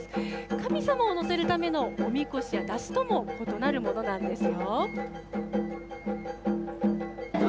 神様を乗せるためのおみこしや山車とも異なるものなんですよ。